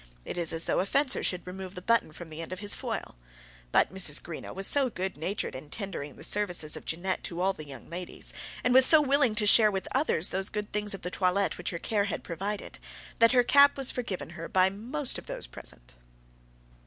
It is as though a fencer should remove the button from the end of his foil. But Mrs. Greenow was so good natured in tendering the services of Jeannette to all the young ladies, and was so willing to share with others those good things of the toilet which her care had provided, that her cap was forgiven her by the most of those present.